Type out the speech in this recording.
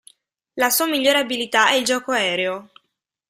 La sua migliore abilità è il gioco aereo.